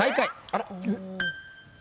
あら。